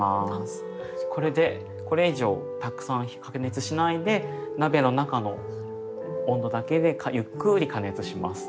これでこれ以上たくさん加熱しないで鍋の中の温度だけでゆっくり加熱します。